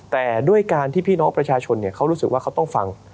แต่ด้วยการที่พี่น้องประชาชนเขารู้สึกว่าเขาต้องฟัง